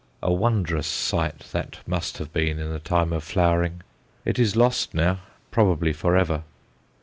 A wondrous sight that must have been in the time of flowering. It is lost now, probably for ever.